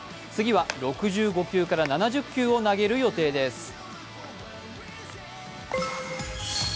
次は、６５球から７０球を投げる予定です。